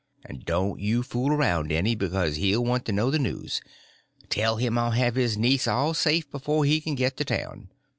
And don't you fool around any, because he'll want to know the news. Tell him I'll have his niece all safe before he can get to town.